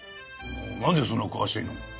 何でそんな詳しいの？